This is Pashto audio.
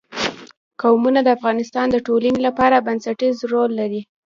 قومونه د افغانستان د ټولنې لپاره بنسټيز رول لري.